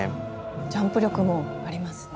ジャンプ力もありますね。